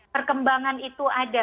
perkembangan itu ada